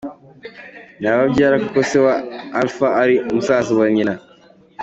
Ni ababyara kuko ise wa Alpha ari musaza wa nyina wa A.